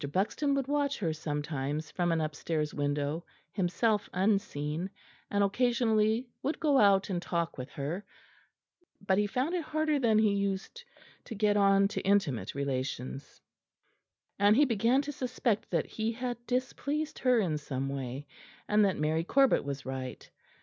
Buxton would watch her sometimes from an upstairs window, himself unseen, and occasionally would go out and talk with her; but he found it harder than he used to get on to intimate relations; and he began to suspect that he had displeased her in some way, and that Mary Corbet was right.